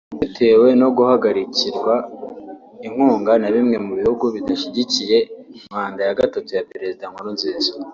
Bitewe no guhagarikirwa inkunga na bimwe mu bihugu bidashyigikiye manda ya gatatu ya Perezida Nkurunziza